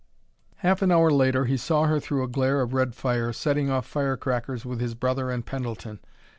Half an hour later he saw her, through a glare of red fire, setting off fire crackers with his brother and Pendleton.